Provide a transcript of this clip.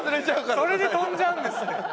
それで飛んじゃうんですね。